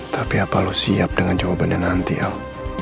tapi apa lo siap dengan jawabannya nanti al